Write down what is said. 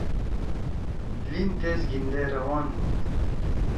لین تیس گھیندے روان ہُو۔